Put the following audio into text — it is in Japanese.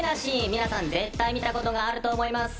皆さん、絶対見たことがあると思います。